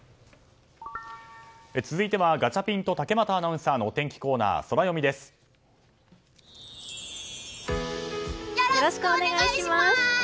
続いてはガチャピンと竹俣アナウンサーのよろしくお願いします！